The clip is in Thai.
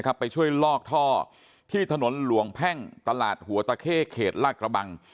ไปช่วยลอกท่อที่ถนนหลวงแพ่งตลาดหัวตะเข้เขตลาดกระบัง